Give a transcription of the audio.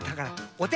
おて！